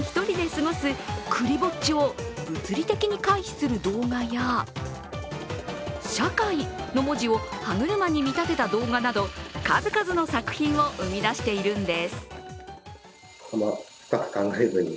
ぼっちを物理的に回避する動画や「社会」の文字を歯車に見立てた動画など、数々の作品を生み出しているんです。